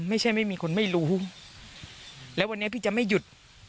ไม่มีคนไม่รู้แล้ววันนี้พี่จะไม่หยุด